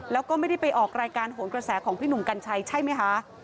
แล้วก็ไม่ได้ไปออกรายการโหนกระแสของพี่หนุ่มกัญชัยใช่ไหมคะ